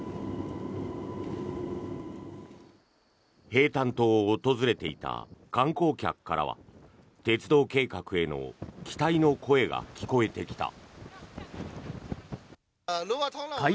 平潭島を訪れていた観光客からは鉄道計画への期待の声が聞こえてきた。